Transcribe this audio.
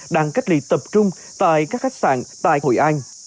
đang cách ly tập trung tại các khách sạn tại hội an